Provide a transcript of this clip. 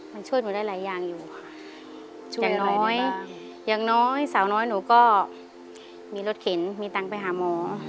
มันช่วยหนูได้หลายอย่างอยู่ค่ะอย่างน้อยอย่างน้อยสาวน้อยหนูก็มีรถเข็นมีตังค์ไปหาหมอ